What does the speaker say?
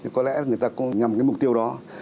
có lẽ người ta cũng nhằm mục tiêu đó